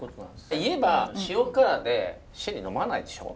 言えば塩辛でシェリー呑まないでしょ？